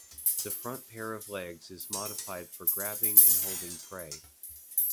The front pair of legs is modified for grabbing and holding prey.